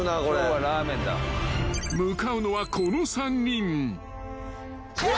［向かうのはこの３人］フゥ！